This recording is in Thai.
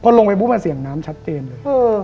พอลงไปปุ๊บมันเสียงน้ำชัดเจนเลย